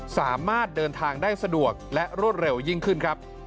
สามารถเดินทางได้สะดวกและรวดเร็วยิ่งขึ้นครับ